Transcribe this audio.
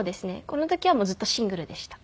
この時はもうずっとシングルでした。